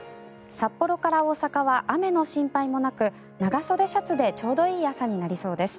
札幌から大阪は雨の心配もなく長袖シャツでちょうどいい朝になりそうです。